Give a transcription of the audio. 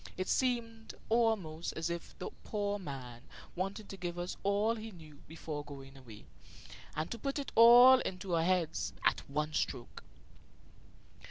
It seemed almost as if the poor man wanted to give us all he knew before going away, and to put it all into our heads at one stroke.